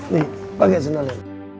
nih pakai jendela